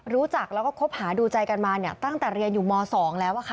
รู้จักแล้วก็คบหาดูใจกันมาตั้งแต่เรียนอยู่ม๒แล้ว